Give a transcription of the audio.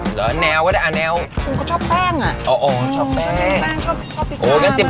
อ๋อเป็นเหรอจริงเหรอครับ